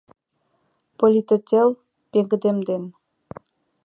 Политотдел пеҥгыдемден.